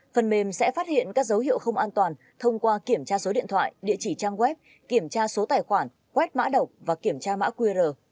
phần mềm sẽ phát hiện các dấu hiệu không an toàn thông qua kiểm tra số điện thoại địa chỉ trang web kiểm tra số tài khoản quét mã độc và kiểm tra mã qr